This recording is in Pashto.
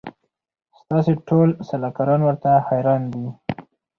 ستاسي ټول سلاکاران ورته حیران دي